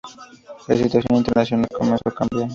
La situación internacional comenzó a cambiar.